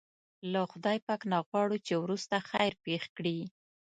له خدای پاک نه وغواړه چې وروسته خیر پېښ کړي.